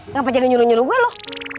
ngapa jadi nyuruh nyuruh gue loh